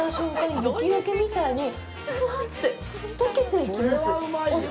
雪解けみたいに、ふわって溶けていきます。